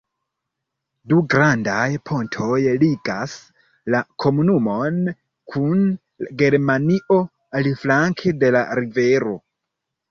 Du grandaj pontoj ligas la komunumon kun Germanio aliflanke de la rivero.